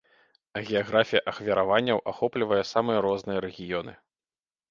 А геаграфія ахвяраванняў ахоплівае самыя розныя рэгіёны.